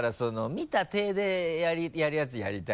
見た体でやるやつやりたいね。